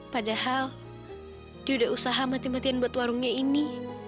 padahal dia udah usaha mati matian buat warungnya ini